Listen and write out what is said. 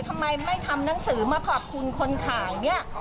ทำไมไม่ทำหนังสือมาขอบคุณคนขายเนี่ย